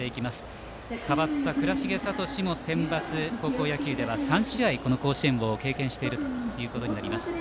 代わった倉重聡もセンバツ高校野球では３試合この甲子園を経験していることになります。